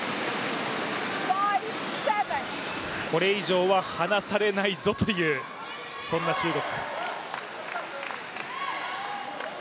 これ以上は離されないぞという、そんな中国。